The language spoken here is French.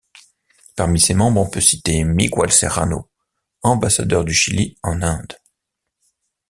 Parmi ses membres, on peut citer Miguel Serrano ambassadeur du Chili en Inde.